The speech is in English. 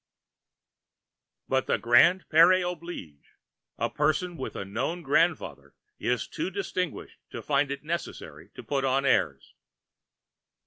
But grand père oblige; a person with a known grandfather is too distinguished to find it necessary to put on airs.